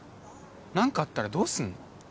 なんかあったらどうすんの？